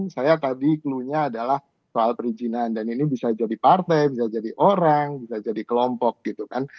saya tadi clue nya adalah soal perizinan dan ini bisa jadi partai bisa jadi orang bisa jadi kelompok gitu kan